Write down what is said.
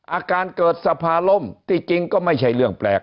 อาการเกิดสภาล่มที่จริงก็ไม่ใช่เรื่องแปลก